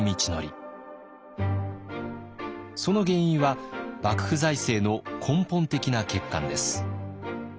その原因は幕府財政の根本的な欠陥です。